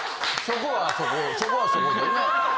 そこはそこでな。